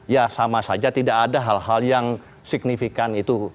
ya sama saja tidak ada hal hal yang signifikan itu